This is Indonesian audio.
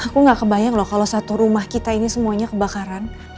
aku gak kebayang loh kalau satu rumah kita ini semuanya kebakaran